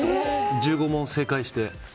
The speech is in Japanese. １５問正解して。